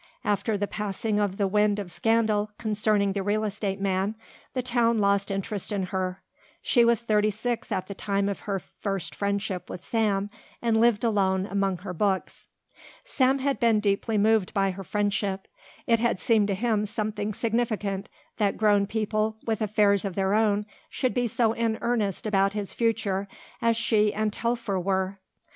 After the passing of the wind of scandal concerning the real estate man the town lost interest in her. She was thirty six at the time of her first friendship with Sam and lived alone among her books. Sam had been deeply moved by her friendship. It had seemed to him something significant that grown people with affairs of their own should be so in earnest about his future as she and Telfer were.